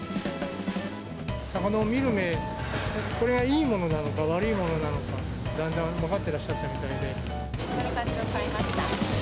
魚を見る目、これがいいものなのか、悪いものなのか、だんだん分かってらっしゃったみたいで。